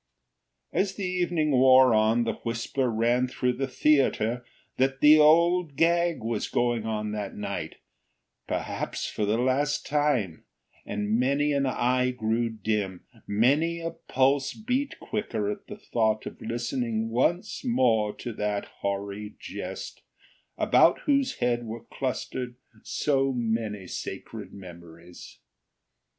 As the evening wore on the whisper ran through the theater that the Old Gag was going on that night—perhaps for the last time; and many an eye grew dim, many a pulse beat quicker at the thought of listening once more to that hoary Jest, about whose head were clustered so many sacred memories.